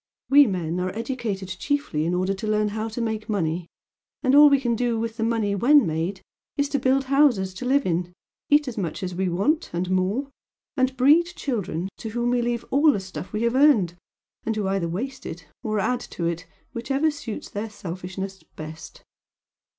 We men are educated chiefly in order to learn how to make money, and all we can do with the money WHEN made, is to build houses to live in, eat as much as we want and more, and breed children to whom we leave all the stuff we have earned, and who either waste it or add to it, whichever suits their selfishness best.